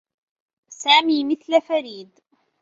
سامي مثل فريد.